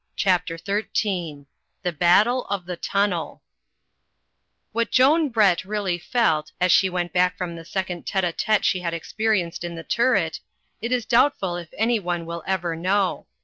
CHAPTER XIII THE BATTLE OF THE TUNNEL What Joan Brett really felt, as she went back from the second tete a tete she had experienced in the turret, it is doubtful if anyone will ever know.